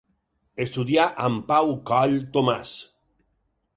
Estudià amb Pau Coll Tomàs.